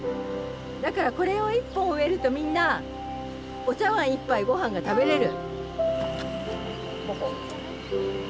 だからこれを１本を植えるとみんなお茶わん１杯御飯が食べれる。